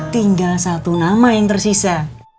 tinggal satu nama yang tersisa